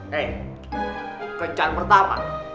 hei kencan pertama